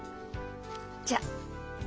じゃあ。